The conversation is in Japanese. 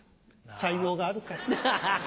才能があるから。